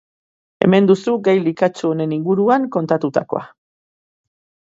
Hemen duzu gai likatsu honen inguruan kontatutakoa!